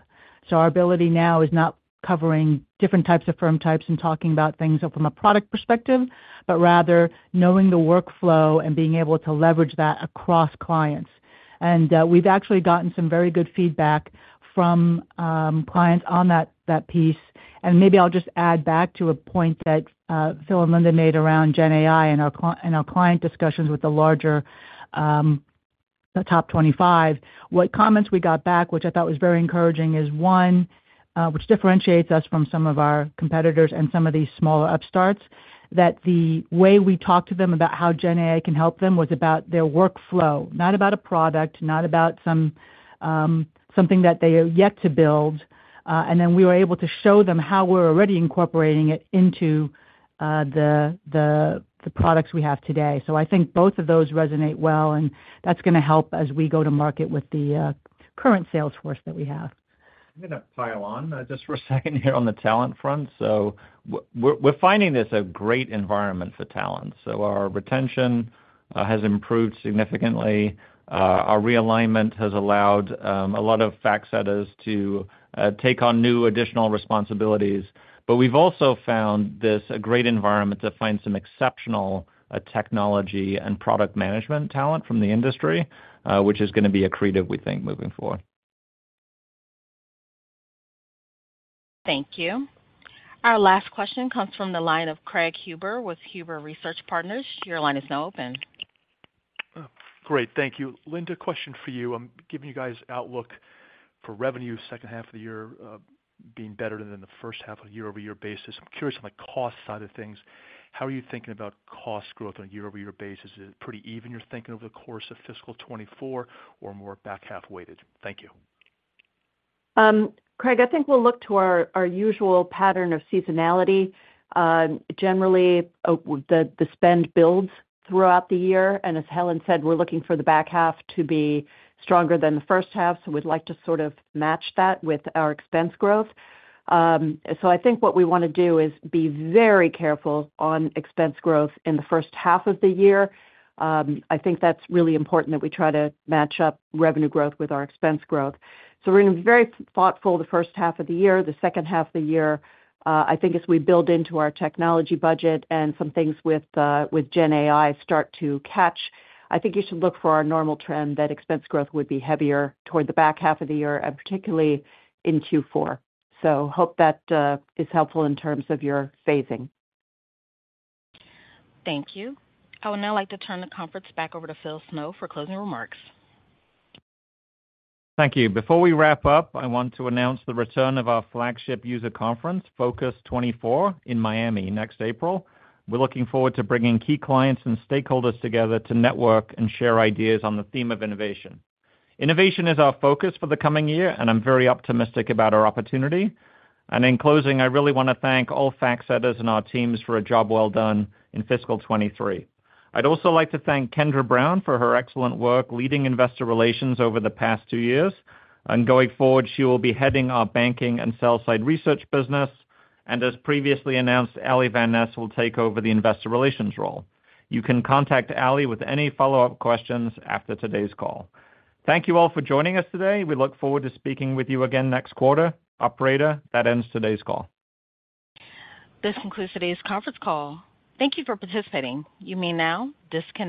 S6: So our ability now is not covering different types of firm types and talking about things from a product perspective, but rather knowing the workflow and being able to leverage that across clients. And we've actually gotten some very good feedback from clients on that piece. And maybe I'll just add back to a point that Phil and Linda made around Gen AI and our client discussions with the larger, the top 25. What comments we got back, which I thought was very encouraging, is one, which differentiates us from some of our competitors and some of these smaller upstarts, that the way we talk to them about how Gen AI can help them was about their workflow, not about a product, not about some, something that they are yet to build. And then we were able to show them how we're already incorporating it into the products we have today. So I think both of those resonate well, and that's going to help as we go to market with the current sales force that we have. ...
S3: I'm gonna pile on just for a second here on the talent front. So we're finding this a great environment for talent. So our retention has improved significantly. Our realignment has allowed a lot of FactSetters to take on new additional responsibilities. But we've also found this a great environment to find some exceptional technology and product management talent from the industry, which is gonna be accretive, we think, moving forward.
S1: Thank you. Our last question comes from the line of Craig Huber with Huber Research Partners. Your line is now open.
S18: Great, thank you. Linda, question for you. Giving you guys outlook for revenue second half of the year, being better than the first half on a year-over-year basis, I'm curious on the cost side of things. How are you thinking about cost growth on a year-over-year basis? Is it pretty even you're thinking over the course of fiscal 2024 or more back half-weighted? Thank you.
S4: Craig, I think we'll look to our usual pattern of seasonality. Generally, the spend builds throughout the year, and as Helen said, we're looking for the back half to be stronger than the first half, so we'd like to sort of match that with our expense growth. So I think what we wanna do is be very careful on expense growth in the first half of the year. I think that's really important that we try to match up revenue growth with our expense growth. So we're gonna be very thoughtful the first half of the year. The second half of the year, I think as we build into our technology budget and some things with with GenAI start to catch, I think you should look for our normal trend, that expense growth would be heavier toward the back half of the year, and particularly in Q4. So, hope that is helpful in terms of your phasing.
S1: Thank you. I would now like to turn the conference back over to Phil Snow for closing remarks.
S3: Thank you. Before we wrap up, I want to announce the return of our flagship user conference, Focus 2024, in Miami next April. We're looking forward to bringing key clients and stakeholders together to network and share ideas on the theme of innovation. Innovation is our focus for the coming year, and I'm very optimistic about our opportunity. In closing, I really wanna thank all FactSetters and our teams for a job well done in fiscal 2023. I'd also like to thank Kendra Brown for her excellent work leading investor relations over the past two years. Going forward, she will be heading our banking and sell-side research business. As previously announced, Ali Van Ness will take over the investor relations role. You can contact Ali with any follow-up questions after today's call. Thank you all for joining us today. We look forward to speaking with you again next quarter. Operator, that ends today's call.
S1: This concludes today's conference call. Thank you for participating. You may now disconnect.